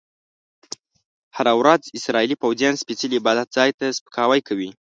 هره ورځ اسرایلي پوځیان سپیڅلي عبادت ځای ته سپکاوی کوي.